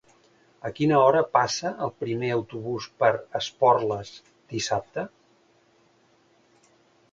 A quina hora passa el primer autobús per Esporles dissabte?